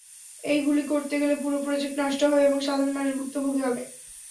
এইগুলি করতে গেলে পুরো প্রজেক্ট নষ্ট হবে এবং সাধারণ মানুষ ভুক্তভোগী হবে।